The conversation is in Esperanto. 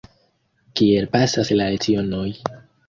Kiel pasas la lecionoj?